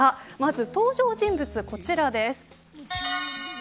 まず登場人物、こちらです。